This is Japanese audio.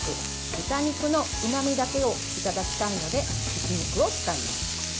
豚肉のうまみだけをいただきたいのでひき肉を使います。